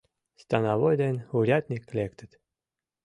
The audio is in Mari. Становой ден урядник лектыт.